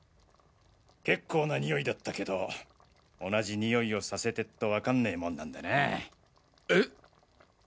結構な臭いだったけど同じ臭いをさせてっとわかんねぇもんなんだな。えっ！？